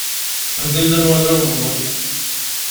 Anda i llan warraw-nwen?